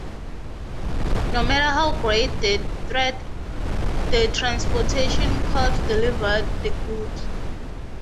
No matter how great the threat, the Transportation Corps delivered the goods.